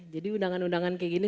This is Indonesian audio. jadi undangan undangan kayak gini